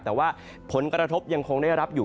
แต่ว่าผลกระทบยังคงได้รับอยู่